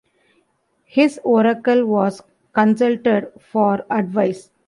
His oracle was consulted for advice.